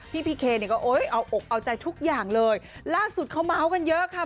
พี่พีเคเนี่ยก็โอ้ยเอาอกเอาใจทุกอย่างเลยล่าสุดเขาเมาส์กันเยอะค่ะ